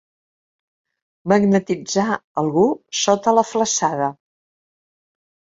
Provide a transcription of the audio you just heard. Magnetitzar algú sota la flassada.